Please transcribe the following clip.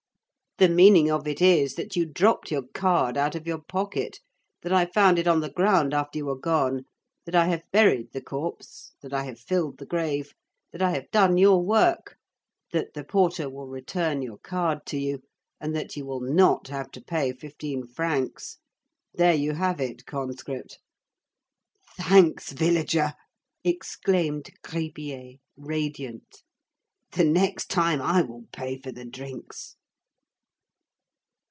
"The meaning of it is, that you dropped your card out of your pocket, that I found it on the ground after you were gone, that I have buried the corpse, that I have filled the grave, that I have done your work, that the porter will return your card to you, and that you will not have to pay fifteen francs. There you have it, conscript." "Thanks, villager!" exclaimed Gribier, radiant. "The next time I will pay for the drinks."